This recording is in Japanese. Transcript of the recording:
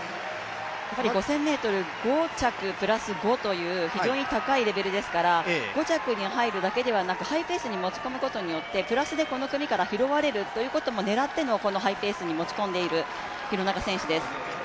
５０００ｍ、５着プラス５という非常に高いレベルですから５着に入るだけではなくハイペースに持ち込むことによってプラスでこの組から拾われるということを狙ってこのハイペースに持ち込んでいる廣中選手です。